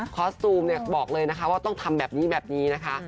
สตูมบอกเลยนะคะว่าต้องทำแบบนี้แบบนี้นะคะ